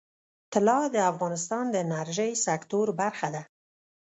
طلا د افغانستان د انرژۍ سکتور برخه ده.